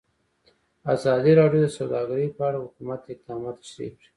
ازادي راډیو د سوداګري په اړه د حکومت اقدامات تشریح کړي.